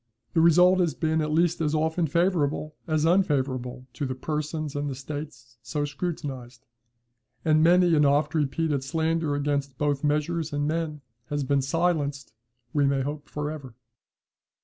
The result has been at least as often favourable as unfavourable to the persons and the states so scrutinized; and many an oft repeated slander against both measures and men has thus been silenced, we may hope, for ever.